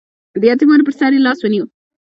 د یتیمانو په سر یې لاس ونیو.